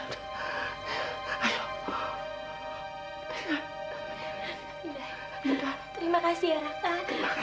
terima kasih raka